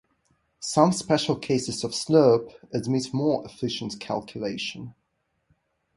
Some special cases of Slerp admit more efficient calculation.